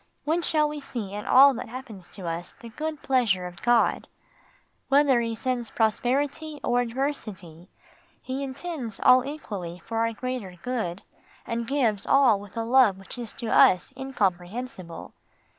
When shall we see in all that happens to us the good pleasure of God? Whether He sends prosperity or adversity, He intends all equally for our greater good, and gives all with a love which to us is incomprehensible.